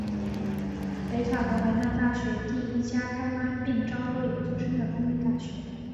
北卡罗来纳大学第一家开班并招收研究生的公立大学。